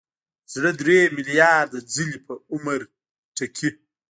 زړه درې ملیارده ځلې په عمر ټکي.